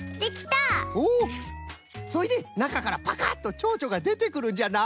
そいでなかからパカッとチョウチョがでてくるんじゃな。